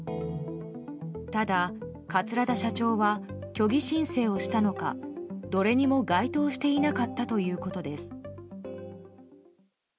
ただ、桂田社長は虚偽申請をしたのかどれにも該当していなかったということです。